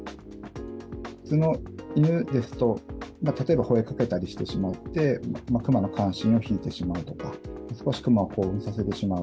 普通の犬ですと、例えばほえかけたりしてしまって、クマの関心を引いてしまうとか、少しクマを興奮させてしまう。